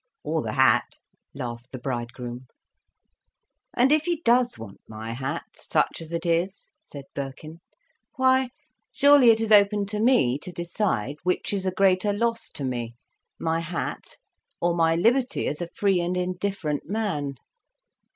"Or the hat," laughed the bridegroom. "And if he does want my hat, such as it is," said Birkin, "why, surely it is open to me to decide, which is a greater loss to me, my hat, or my liberty as a free and indifferent man.